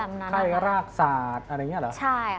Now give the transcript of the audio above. หิวาไข้รากสาดอะไรแบบนั้น